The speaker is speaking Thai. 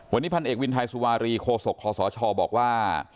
วันนี้พันเอกวินไทยสุวารีโคศกคศบอกว่า